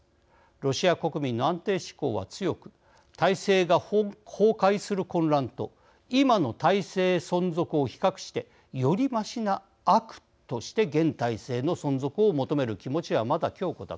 ロシア国民の安定志向は強く体制が崩壊する混乱と今の体制存続を比較してよりましな悪として現体制の存続を求める気持ちはまだ強固だからです。